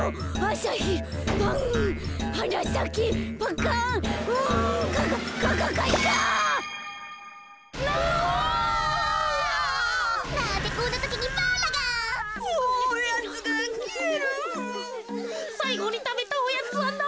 さいごにたべたおやつはなんだっけ。